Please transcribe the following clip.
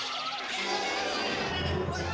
sorry ga ketau